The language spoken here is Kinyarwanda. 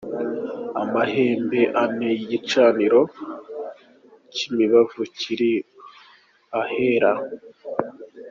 Amahembe ane y'igicaniro cy'imibavu kiri Ahera.